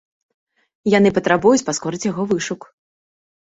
Яны патрабуюць паскорыць яго вышук.